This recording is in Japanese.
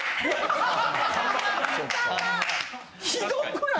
ひどくない？